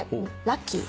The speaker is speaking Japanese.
ラッキー。